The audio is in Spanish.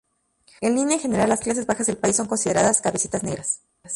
En línea general, las clases bajas del país son consideradas "cabecitas negras".